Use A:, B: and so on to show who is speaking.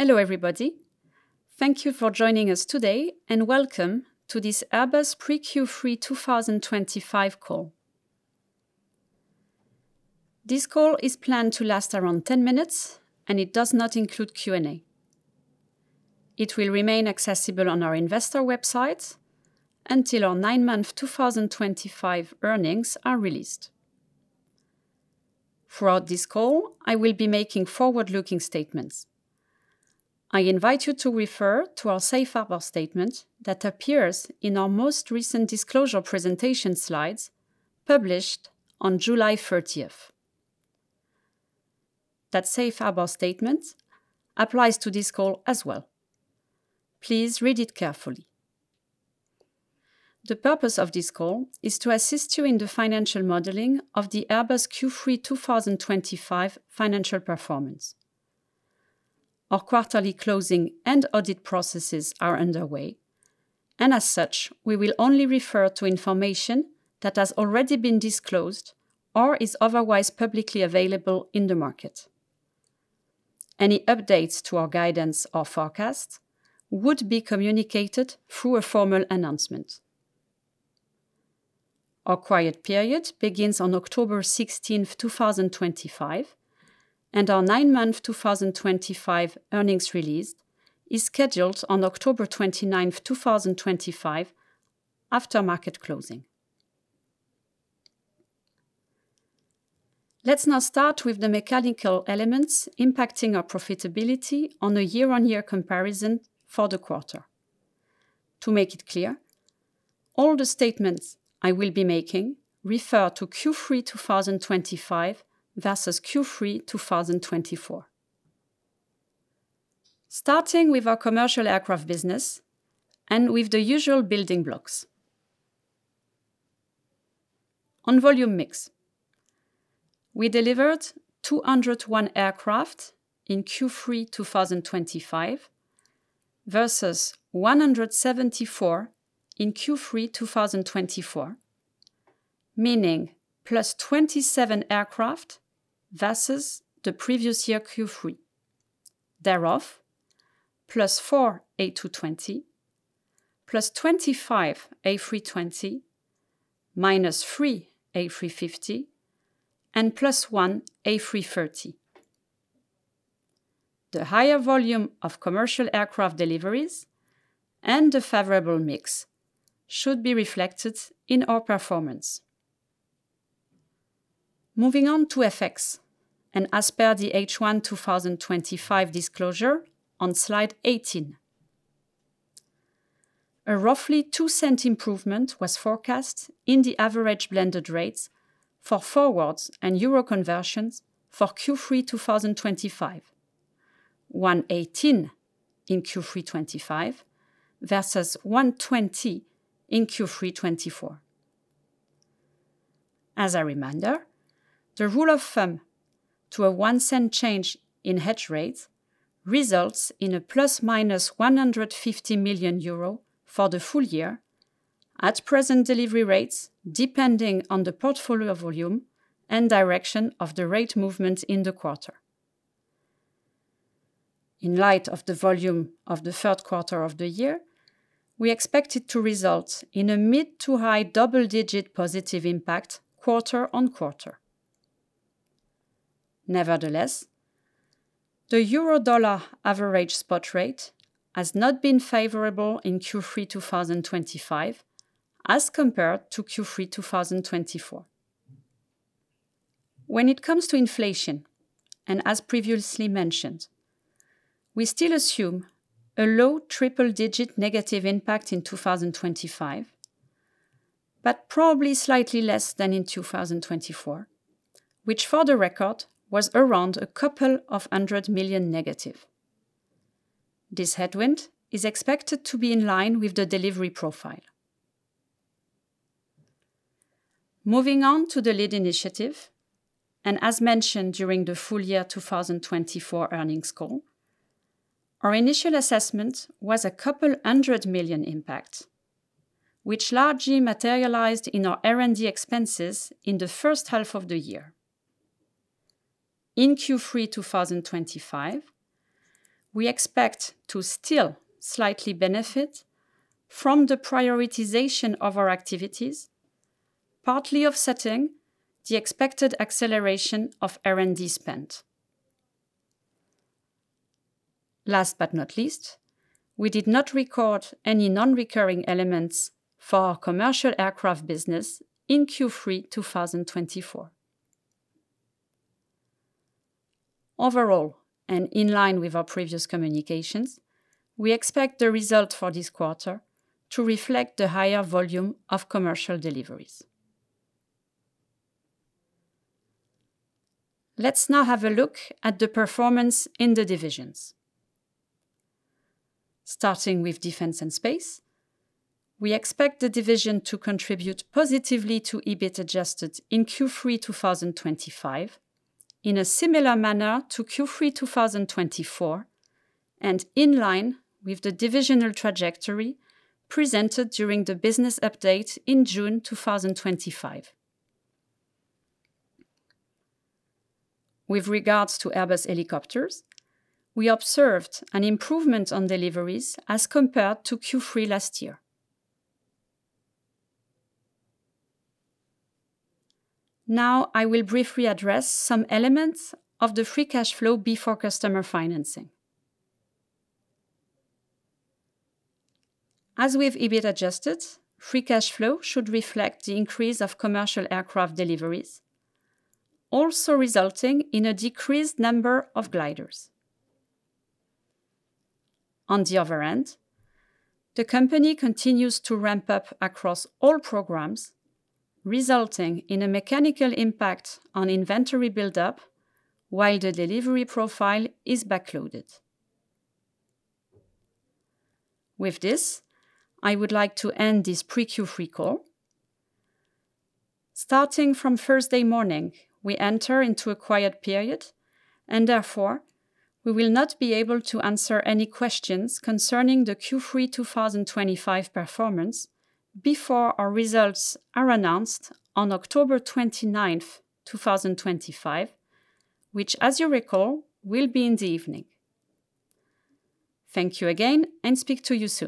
A: Hello everybody, thank you for joining us today and welcome to this Airbus Pre-Q3 2025 call. This call is planned to last around 10 minutes and it does not include Q&A. It will remain accessible on our investor website until our 9-month 2025 earnings are released. Throughout this call, I will be making forward-looking statements. I invite you to refer to our Safe Harbor statement that appears in our most recent disclosure presentation slides published on July 30th. That Safe Harbor statement applies to this call as well. Please read it carefully. The purpose of this call is to assist you in the financial modeling of the Airbus Q3 2025 financial performance. Our quarterly closing and audit processes are underway, and as such, we will only refer to information that has already been disclosed or is otherwise publicly available in the market. Any updates to our guidance or forecast would be communicated through a formal announcement. Our Quiet Period begins on October 16th, 2025, and our 9-month 2025 earnings release is scheduled on October 29th, 2025, after market closing. Let's now start with the mechanical elements impacting our profitability on a year-on-year comparison for the quarter. To make it clear, all the statements I will be making refer to Q3 2025 versus Q3 2024. Starting with our commercial aircraft business and with the usual building blocks. On volume mix, we delivered 201 aircraft in Q3 2025 versus 174 in Q3 2024, meaning plus 27 aircraft versus the previous year Q3. Thereof, +4 A220, +25 A320, -3 A350, and +1 A330. The higher volume of commercial aircraft deliveries and the favorable mix should be reflected in our performance. Moving on to FX and as per the H1 2025 disclosure on slide 18. A roughly two cent improvement was forecast in the average blended rates for forwards and euro conversions for Q3 2025: 1.18 in Q3 2025 versus 1.20 in Q3 2024. As a reminder, the rule of thumb to a one cent change in hedge rates results in a ± 150 million euro for the full year at present delivery rates depending on the portfolio volume and direction of the rate movement in the quarter. In light of the volume of the third quarter of the year, we expect it to result in a mid to high double-digit positive impact quarter-on-quarter. Nevertheless, the Euro-Dollar average spot rate has not been favorable in Q3 2025 as compared to Q3 2024. When it comes to inflation, and as previously mentioned, we still assume a low triple-digit negative impact in 2025, but probably slightly less than in 2024, which for the record was around 200 million negative. This headwind is expected to be in line with the delivery profile. Moving on to the "LEAD!" initiative, and as mentioned during the full year 2024 earnings call, our initial assessment was 200 million impact, which largely materialized in our R&D expenses in the first half of the year. In Q3 2025, we expect to still slightly benefit from the prioritization of our activities, partly offsetting the expected acceleration of R&D spend. Last but not least, we did not record any non-recurring elements for our commercial aircraft business in Q3 2024. Overall, and in line with our previous communications, we expect the result for this quarter to reflect the higher volume of commercial deliveries. Let's now have a look at the performance in the divisions. Starting with Defence and Space, we expect the division to contribute positively to EBIT Adjusted in Q3 2025 in a similar manner to Q3 2024 and in line with the divisional trajectory presented during the business update in June 2025. With regards to Airbus Helicopters, we observed an improvement on deliveries as compared to Q3 last year. Now I will briefly address some elements of the Free Cash Flow before customer financing. As with EBIT Adjusted, Free Cash Flow should reflect the increase of commercial aircraft deliveries, also resulting in a decreased number of gliders. On the other end, the company continues to ramp up across all programs, resulting in a mechanical impact on inventory buildup while the delivery profile is backloaded. With this, I would like to end this pre-Q3 call. Starting from Thursday morning, we enter into a quiet period, and therefore we will not be able to answer any questions concerning the Q3 2025 performance before our results are announced on October 29th, 2025, which, as you recall, will be in the evening. Thank you again, and speak to you soon.